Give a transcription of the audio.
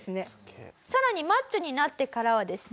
さらにマッチョになってからはですね